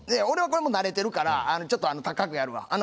俺はこれもう慣れてるからちょっと高くやるわ。